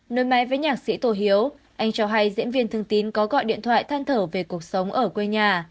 nối máy với nhạc sĩ tô hiếu anh cho hay diễn viên thương tín có gọi điện thoại than thở về cuộc sống ở quê nhà